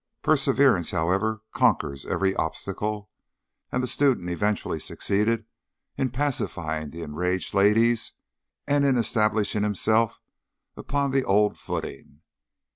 Perseverance, however, conquers every obstacle, and the student eventually succeeded in pacifying the enraged ladies and in establishing himself upon the old footing.